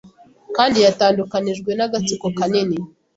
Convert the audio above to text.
Kandi yatandukanijwe n'agatsiko kanini